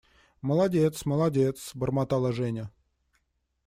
Молодец, молодец… – бормотала Женя.